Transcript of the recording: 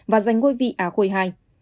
và giành ngôi vị á khôi ii